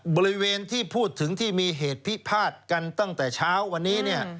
บริเวณที่พูดถึงที่มีเหตุพิพาทกันตั้งแต่เช้าวันนี้